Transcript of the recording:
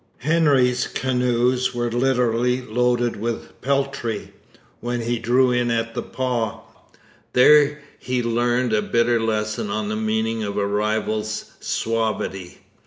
Hendry's canoes were literally loaded with peltry when he drew in at the Pas. There he learned a bitter lesson on the meaning of a rival's suavity.